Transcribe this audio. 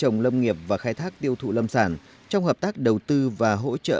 trồng lâm nghiệp và khai thác tiêu thụ lâm sản trong hợp tác đầu tư và hỗ trợ